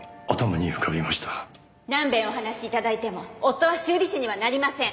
何遍お話頂いても夫は修理師にはなりません。